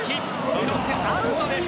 ブロックアウトです。